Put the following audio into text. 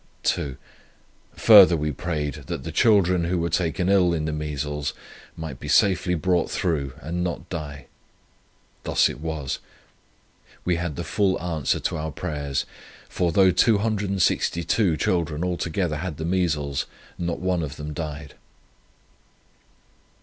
2. Further we prayed, that the children, who were taken ill in the measles, might be safely brought through and not die. Thus it was. We had the full answer to our prayers; for though 262 children altogether had the measles, not one of them died.